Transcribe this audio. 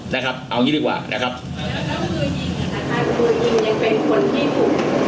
นะครับเอางี้ดีกว่านะครับแล้วมือยิงปืนยิงยังเป็นคนที่ถูก